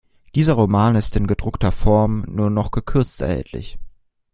Dieser Roman ist in gedruckter Form nur noch gekürzt erhältlich.